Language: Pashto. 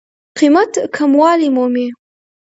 قېمت کموالی مومي.